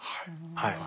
はい。